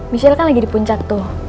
michelle kan lagi di puncak tuh